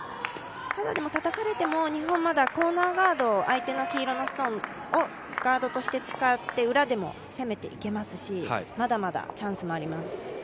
たたかれても、日本はまだコーナーガード、相手の黄色のストーンをガードとして使って裏でも攻めていけますし、まだまだチャンスもあります。